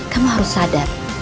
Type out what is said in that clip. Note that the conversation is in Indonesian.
kamu harus sadar